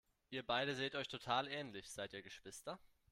Ihr beide seht euch total ähnlich, seid ihr Geschwister?